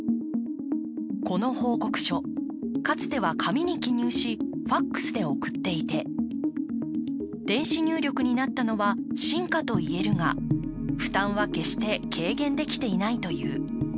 この報告書、かつては紙に記入し、ＦＡＸで送っていて、電子入力になったのは進化と言えるが、負担は決して軽減できていないという。